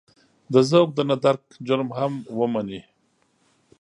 د ذوق د نه درک جرم هم ومني.